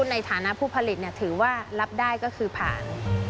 ในฐานะผู้ผลิตถือว่ารับได้ก็คือผ่าน